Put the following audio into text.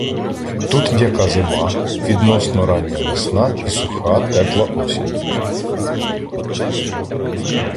Тут м'яка зима, відносно рання весна і суха, тепла осінь.